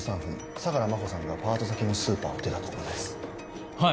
相良真帆さんがパート先のスーパーを出たところですはい！